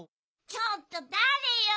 ちょっとだれよ！